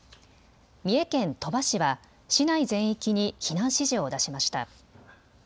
三重県鳥羽市は市内全域に避難指示を出しました。